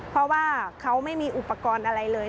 เพราะว่าเขาไม่มีอุปกรณ์อะไรเลย